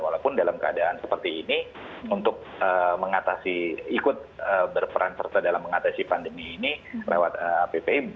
walaupun dalam keadaan seperti ini untuk mengatasi ikut berperan serta dalam mengatasi pandemi ini lewat appi